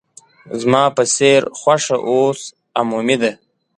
زما په څېر خوښه اوس عمومي ده.